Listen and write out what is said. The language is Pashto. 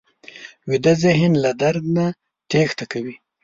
ویده ذهن له درد نه تېښته کوي